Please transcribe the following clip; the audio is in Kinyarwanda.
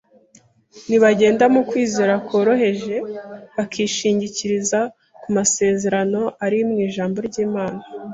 Nibagenda mu kwizera koroheje, bakishingikiriza ku masezerano ari mu ijambo ry’Imana